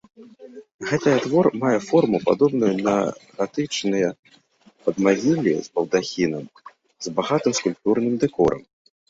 Гэтая твор мае форму, падобную на гатычныя надмагіллі з балдахінам, з багатым скульптурным дэкорам.